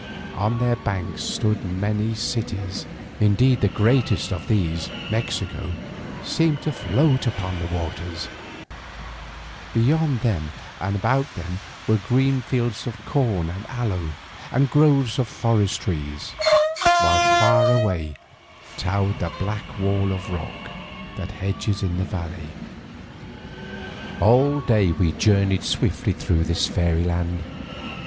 On their banks stood many cities, indeed the greatest of these, Mexico, seemed to float upon the waters; beyond them and about them were green fields of corn and aloe, and groves of forest trees, while far away towered the black wall of rock that hedges in the valley. All day we journeyed swiftly through this fairy land.